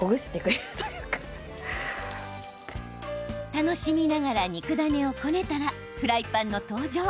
楽しみながら肉ダネをこねたらフライパンの登場。